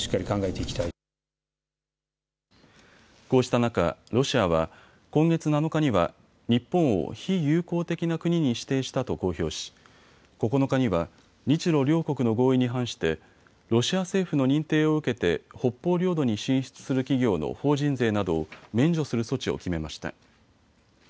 こうした中、ロシアは今月７日には日本を非友好的な国に指定したと公表し９日には日ロ両国の合意に反してロシア政府の認定を受けて北方領土に進出する企業の法人税などを免除する措置を決めました。